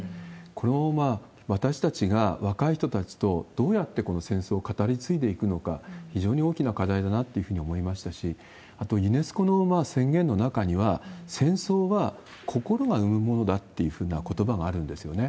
これを私たちが若い人たちとどうやってこの戦争を語り継いでいくのか、非常に大きな課題だなっていうふうに思いましたし、あと、ユネスコの宣言の中には、戦争は心が生むものだというふうなことばがあるんですよね。